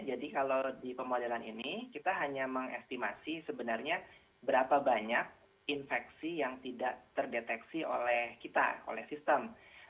jadi kalau di pemodelan ini kita hanya mengestimasi sebenarnya berapa banyak infeksi yang tidak terdeteksi oleh kita oleh sistem